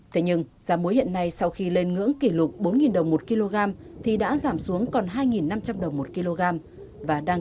thế nhưng giá muối hiện nay sau khi lên ngưỡng kỷ lục bốn đồng một kg thì đã giảm xuống còn hai năm trăm linh đồng một kg và đang